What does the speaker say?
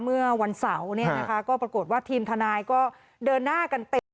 เมื่อวันเสาร์ก็ปรากฏว่าทีมทนายก็เดินหน้ากันเต็ม